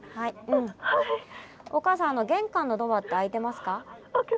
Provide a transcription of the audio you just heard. おかあさん玄関のドアって開いてますか？